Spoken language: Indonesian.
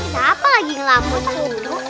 siapa lagi ngelakuin itu